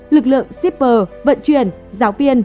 lực lượng shipper vận chuyển giáo viên